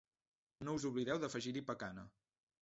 No us oblideu d'afegir-hi pacana.